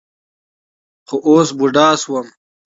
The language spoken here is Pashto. خو اوس بوډا شوم.